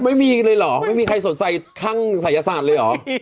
ไม่มีเลยเหรอไม่มีใครสนใจข้างศัยศาสตร์เลยเหรอ